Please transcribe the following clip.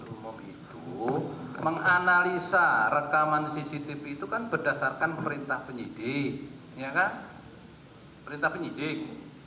umum itu menganalisa rekaman cctv itu kan berdasarkan perintah penyidik perintah penyidik